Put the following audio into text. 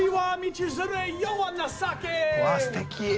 わすてき。